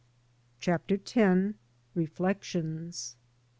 CHAPTER X. REFLECTIONS.